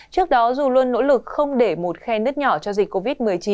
trước đó dù luôn nỗ lực không để một khe nứt nhỏ cho dịch covid một mươi chín